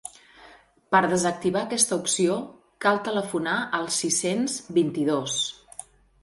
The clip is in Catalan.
Per a desactivar aquesta opció cal telefonar al sis-cents vint-i-dos.